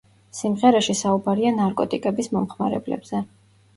სიმღერაში საუბარია ნარკოტიკების მომხმარებლებზე.